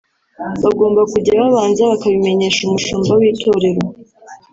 bagomba kujya babanza bakabimenyesha umushumba w’Itorero